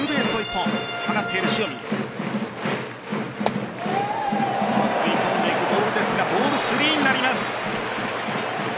食い込んでいくボールですがボール３になります。